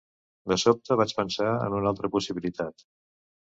De sobte, vaig pensar en una altra possibilitat.